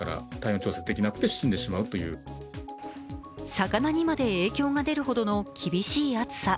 魚にまで影響が出るほどの厳しい暑さ。